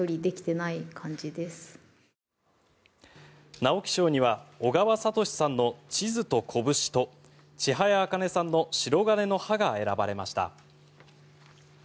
直木賞には小川哲さんの「地図と拳」と千早茜さんの「しろがねの葉」が選ばれました。